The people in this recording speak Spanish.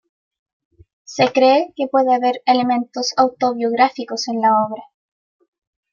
Se cree que puede haber elementos autobiográficos en la obra.